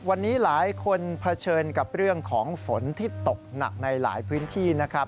วันนี้หลายคนเผชิญกับเรื่องของฝนที่ตกหนักในหลายพื้นที่นะครับ